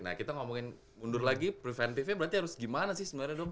nah kita ngomongin mundur lagi preventifnya berarti harus gimana sih sebenarnya dok